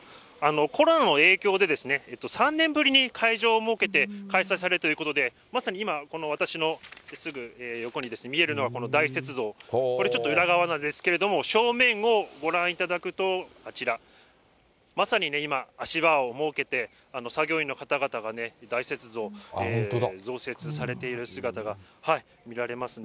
コロナの影響で、３年ぶりに会場を設けて開催されるということで、まさに今、この私のすぐ横に見えるのが大雪像、これちょっと裏側なんですけれども、正面をご覧いただくと、あちら、まさにね、今、足場を設けて、作業員の方々が大雪像、造雪されている姿が見られますね。